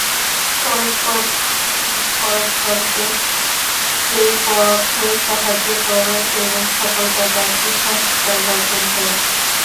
পরস্পর পরস্পরকে এই পথে সাহায্য কর এবং সকল প্রকার কুসংস্কার বর্জন কর।